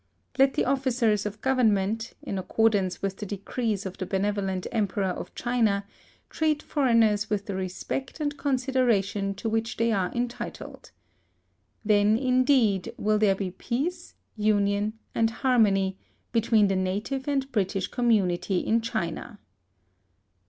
Let the officers of government, in accordance with the decrees of the benevolent Emperor of China, treat foreigners with the respect and consideration to which they are entitled. Then, indeed, will there be peace, union, and harmony, between the native and British Community in China.